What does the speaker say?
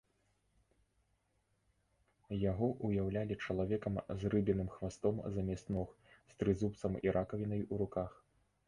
Яго ўяўлялі чалавекам з рыбіным хвастом замест ног, з трызубцам і ракавінай у руках.